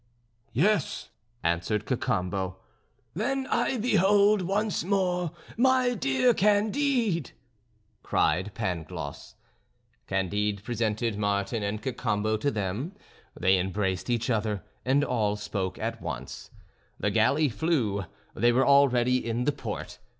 "Yes," answered Cacambo. "Then I behold, once more, my dear Candide," cried Pangloss. Candide presented Martin and Cacambo to them; they embraced each other, and all spoke at once. The galley flew; they were already in the port.